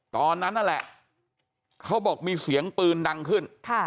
ตอนนั้นนั่นแหละเขาบอกมีเสียงปืนดังขึ้น